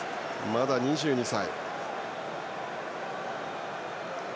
まだ２２歳。